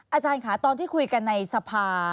อาจารย์ค่ะตอนที่คุยกันในสภา